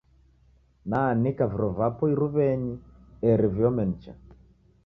Naanika viro vapo irumenyi eri viome nicha.